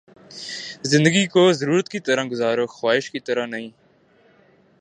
زندگی کو ضرورت کی طرح گزارو، خواہش کی طرح نہیں